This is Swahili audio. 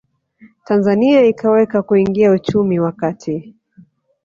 Tanzania ikaweza kuingia uchumi wa kati